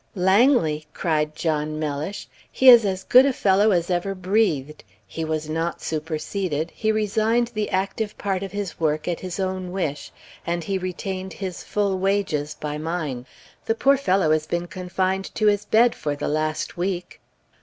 "Langley!" cried John Mellish; "he is as good a fellow as ever breathed. He was not superseded; he resigned the active part of his work at his own wish, and he retained his full wages by mine. The poor fellow has been confined to his bed for the last week."